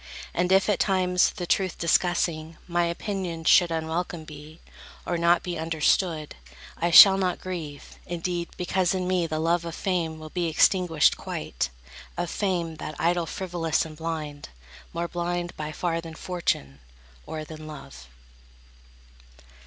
And if, at times, The truth discussing, my opinions should Unwelcome be, or not be understood, I shall not grieve, indeed, because in me The love of fame will be extinguished quite; Of fame, that idol frivolous and blind; More blind by far than Fortune, or than Love.